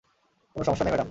কোন সমস্যা নেই, ম্যাডাম।